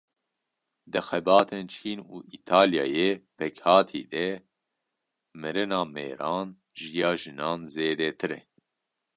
Di xebatên Çîn û Îtalyayê pêkhatî de mirina mêran ji ya jinan zêdetir e.